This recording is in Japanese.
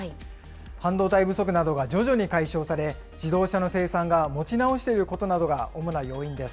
半導体不足などが徐々に解消され、自動車の生産が持ち直していることなどが主な要因です。